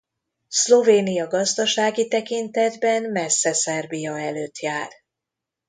Szlovénia gazdasági tekintetben messze Szerbia előtt jár.